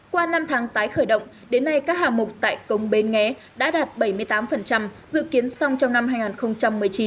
qua năm tháng tái khởi động đến nay các hạng mục tại công bến nghé đã đạt bảy mươi tám dự kiến xong trong năm hai nghìn một mươi chín